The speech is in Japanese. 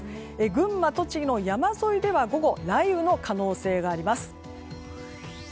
群馬、栃木の山沿いでは午後、雷雨の可能性があります。